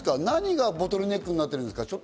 何がボトルネックになっていますか？